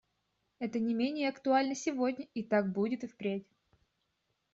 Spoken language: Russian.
Это не менее актуально сегодня, и так будет и впредь.